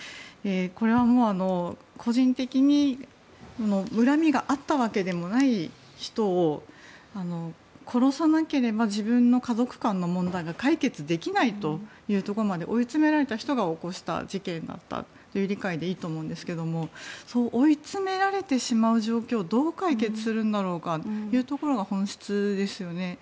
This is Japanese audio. これは個人的に恨みがあったわけでもない人を殺さなければ自分の家族間の問題が解決できないというところまで追い詰められた人が起こした事件だったという理解でいいと思うんですがそう追い詰められてしまう状況をどう解決するんだろうかというところが本質ですよね。